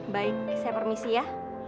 baik saya permisi ya